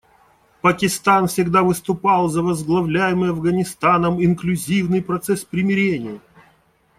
Пакистан всегда выступал за возглавляемый Афганистаном инклюзивный процесс примирения.